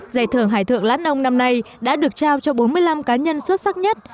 giải thưởng hải thượng lãn nông năm nay đã được trao cho bốn mươi năm cá nhân xuất sắc nhất